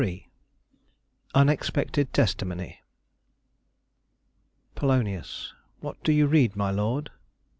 XXXIII. UNEXPECTED TESTIMONY Pol. What do you read, my lord?